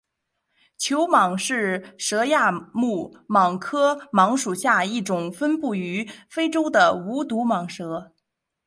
球蟒是蛇亚目蟒科蟒属下一种分布于非洲的无毒蟒蛇。